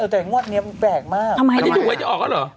แต่งวดนี้แปลกมากอันนี้ถูกไว้จะออกแล้วเหรอ